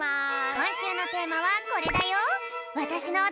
こんしゅうのテーマはこれだよ。